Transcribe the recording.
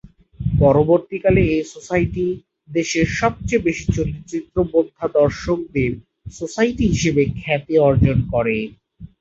পরবর্তীকালে এই সোসাইটি "দেশের সবচেয়ে বেশি চলচ্চিত্র-বোদ্ধা দর্শক"দের সোসাইটি হিসেবে খ্যাতি অর্জন করে।